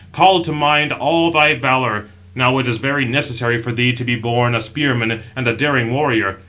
Call to mind all thy valour; now it is very necessary for thee to be both a spearman and a daring warrior.